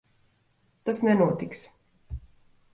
Tas nenotiks.